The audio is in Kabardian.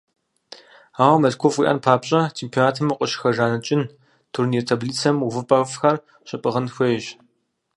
Ауэ мылъкуфӀ уиӀэн папщӀэ, чемпионатым укъыщыхэжаныкӀын, турнир таблицэм увыпӀэфӀхэр щыпӀыгъын хуейщ.